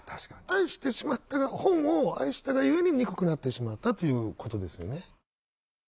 愛してしまった本を愛したがゆえに憎くなってしまったということですよね。